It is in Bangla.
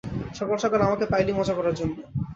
সকাল সকাল আমাকে পাইলি মজা করার জন্য!